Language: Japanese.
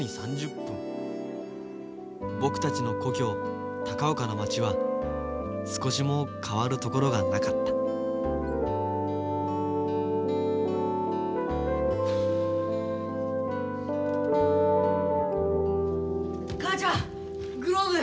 僕たちの故郷高岡の町は少しも変わるところがなかった母ちゃんグローブ！